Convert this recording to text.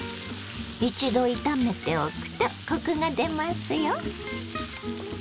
一度炒めておくとコクが出ますよ。